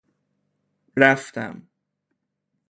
رفتم